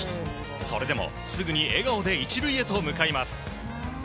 それでも、すぐに笑顔で１塁へと向かいます。